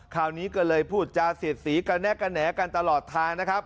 คราวนี้ก็เลยพูดจาเสียดสีกระแนะกระแหนกันตลอดทางนะครับ